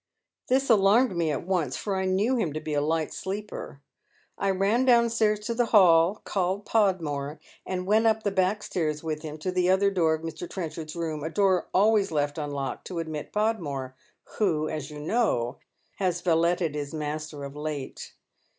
This alarmed me at once, for I knew him to be a light sleeper. I ran downstairs to the hall, called Podmore, and went up the back stairs with him to the other door of Mr. Trenchard's room, a door always left unlocked to admit The Passing Bell. 298 Podmore, who, as you know, has valeted his master of late.